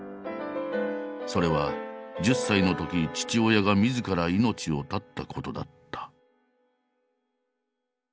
それは１０歳のとき父親がみずから命を絶ったことだった。